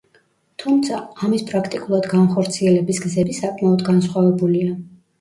თუმცა, ამის პრაქტიკულად განხორციელების გზები საკმაოდ განსხვავებულია.